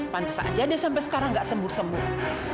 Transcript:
pantes aja deh sampai sekarang gak sembur sembur